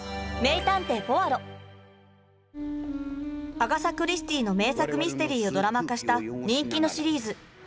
アガサ・クリスティーの名作ミステリーをドラマ化した人気のシリーズ。